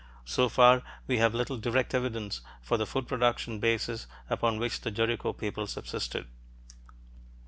So far, we have little direct evidence for the food production basis upon which the Jericho people subsisted.